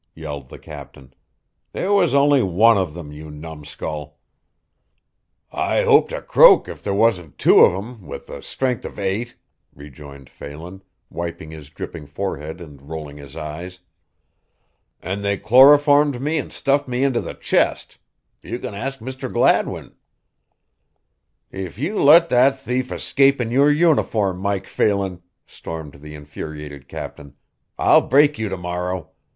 yelled the captain. "There was only one of them, you numskull." "I hope to croak if there wasn't two of 'em with the stren'th of eight," rejoined Phelan, wiping his dripping forehead and rolling his eyes. "An' they chloroformed me an' stuffed me into the chest. You can ask Mr. Gladwin." "If you let that thief escape in your uniform, Mike Phelan," stormed the infuriated captain, "I'll break you to morrow.